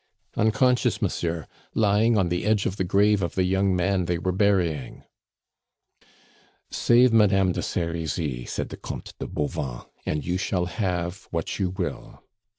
"Unconscious, monsieur, lying on the edge of the grave of the young man they were burying." "Save Madame de Serizy," said the Comte de Bauvan, "and you shall have what you will."